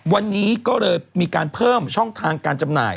วันนี้ก็เลยมีการเพิ่มช่องทางการจำหน่าย